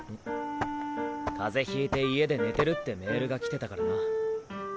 カゼひいて家で寝てるってメールがきてたからな。